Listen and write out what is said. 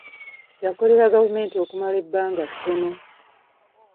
Yakolera gavumenti okumala ebbanga ttono.